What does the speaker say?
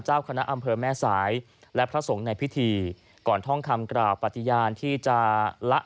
เจ้าคณะอำเภอแม่สายและพระสงฆ์ในพิธีก่อนท่องคำกล่าวปฏิญาณที่จะละ